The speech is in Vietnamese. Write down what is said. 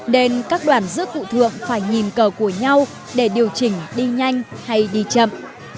nên các đoàn rước vụ thượng phải nhìn cờ của nhau để điều chỉnh đi nhanh hay đi chậm